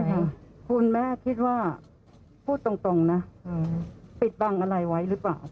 คุณแม่คิดว่าพูดตรงนะปิดบังอะไรไว้หรือเปล่า